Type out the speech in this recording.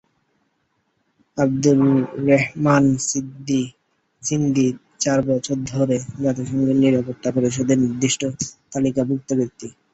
আবদুর রেহমান সিন্ধি চার বছর ধরে জাতিসংঘের নিরাপত্তা পরিষদের নিষিদ্ধ তালিকাভুক্ত ব্যক্তি।